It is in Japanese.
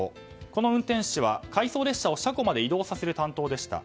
この運転士は回送列車を車庫まで移動させる担当でした。